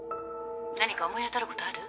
何か思い当たることある？